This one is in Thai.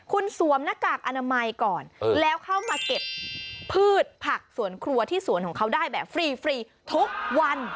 คุณสวมหน้ากากอนามัยก่อนแล้วเข้ามาเก็บพืชผักสวนครัวที่สวนของเขาได้แบบฟรีทุกวัน